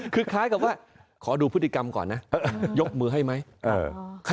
คือคล้ายกับว่าขอดูพฤติกรรมก่อนนะยกมือให้ไหม